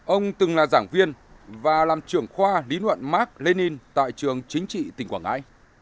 ông từng là giảng viên và làm trưởng khoa lý luận mark lenin tại trường chính trị tỉnh quảng ngãi